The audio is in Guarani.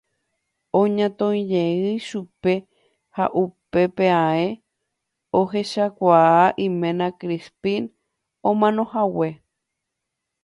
Oñatõijey chupe ha upépe ae ohechakuaa iména Crispín omanohague.